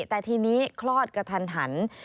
แต่ทีนี้คลอดกระทันหัน